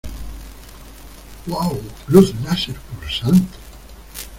¡ Uau! ¡ luz láser pulsante !